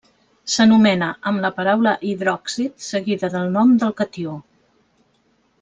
S'anomena amb la paraula hidròxid seguida del nom del catió.